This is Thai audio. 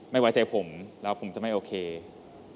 ไม่ไว้ใจผมแล้วผมจะไม่โอเค